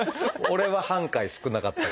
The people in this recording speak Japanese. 俺は半回少なかった。